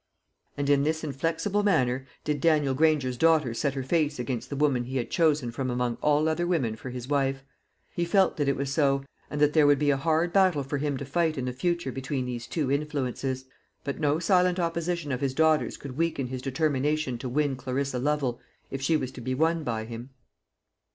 And in this inflexible manner did Daniel Granger's daughter set her face against the woman he had chosen from among all other women for his wife. He felt that it was so, and that there would be a hard battle for him to fight in the future between these two influences; but no silent opposition of his daughter's could weaken his determination to win Clarissa Lovel, if she was to be won by him.